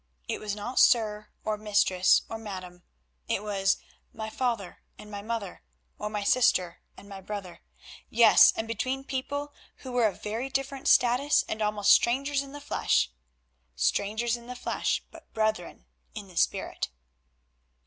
It was not "sir" or "mistress" or "madame," it was "my father" and "my mother," or "my sister" and "my brother;" yes, and between people who were of very different status and almost strangers in the flesh; strangers in the flesh but brethren in spirit.